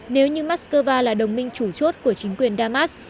nếu như moscow là đồng minh chủ chốt của chính quyền damas